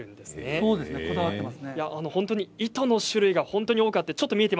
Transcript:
糸の種類が本当に多いんです。